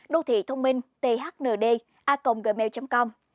đô thị thông minh thnd a gmail com